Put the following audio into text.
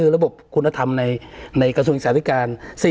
ระบบคุณธรรมในกระทรวงศึกษาธิการ